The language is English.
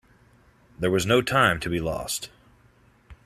There was no time to be lost.